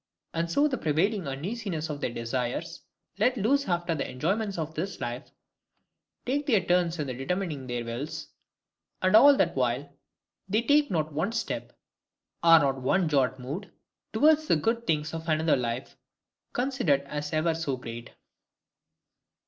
And so the prevailing uneasiness of their desires, let loose after the enjoyments of this life, take their turns in the determining their wills; and all that while they take not one step, are not one jot moved, towards the good things of another life, considered as ever so great.